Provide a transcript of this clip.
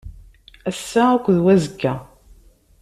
Ass-a akked wazekka.